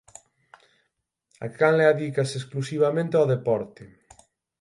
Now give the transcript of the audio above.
A canle adícase exclusivamente ao deporte.